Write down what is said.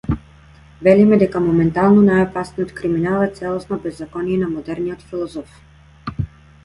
Велиме дека моментално најопасниот криминал е целосното беззаконие на модерниот философ.